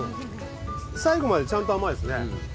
最後までちゃんと甘いですね。